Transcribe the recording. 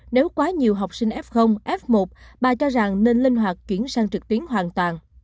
nếu quá nhiều học sinh f f một bà cho rằng nên linh hoạt chuyển sang trực tuyến hoàn toàn